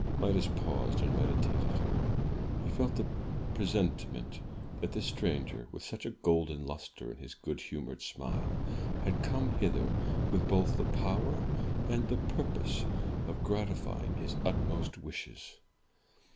Midas paused and meditated. He felt a presentiment that this stranger, with such a golden luster in his good humoured smile, had come hither with both the power and the purpose of gratifying his utmost wishes.